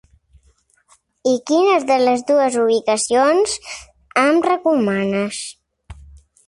I quines de les dues ubicacions em recomanes¿.